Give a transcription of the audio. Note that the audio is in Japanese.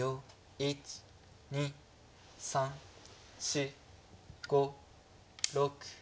１２３４５６。